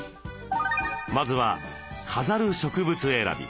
まずは飾る植物選び。